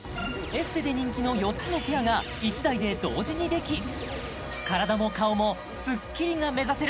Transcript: エステで人気の４つのケアが１台で同時にでき体も顔もスッキリが目指せる